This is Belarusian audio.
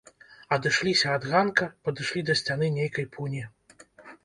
Адышліся ад ганка, падышлі да сцяны нейкай пуні.